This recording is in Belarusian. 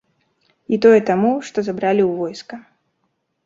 І тое таму, што забралі ў войска.